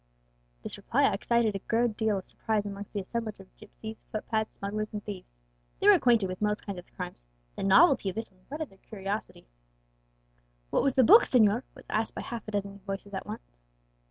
This reply excited a good deal of surprise amongst the assemblage of gipsies, foot pads, smugglers, and thieves. They were acquainted with most kinds of crimes; the novelty of this one whetted their curiosity. "What was the book, señor?" was asked by half a dozen voices at once.